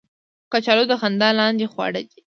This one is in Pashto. کچالو د خندا لاندې خواړه دي